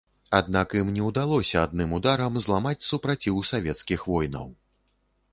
Аднак ім не ўдалося адным ударам зламаць супраціў савецкіх воінаў.